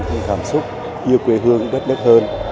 cảm xúc yêu quê hương đất đất hơn